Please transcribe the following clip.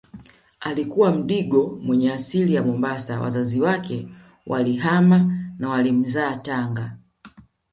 Alikuwa mdigo mwenye asili ya Mombasa wazazi wake walihama na walimzaa Tanga